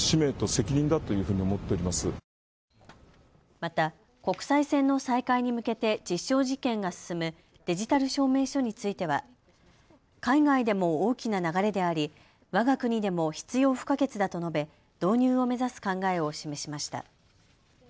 また、国際線の再開に向けて実証実験が進むデジタル証明書については海外でも大きな流れでありわが国でも必要不可欠だと述べ導入を目指す考えを示しました。